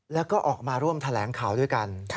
แล้วก็ออกมาร่วมแถลงข่าวด้วยกัน